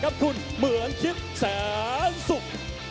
กับคุณเหมือนคิดแสนสุข